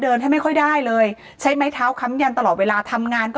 ให้ไม่ค่อยได้เลยใช้ไม้เท้าค้ำยันตลอดเวลาทำงานก็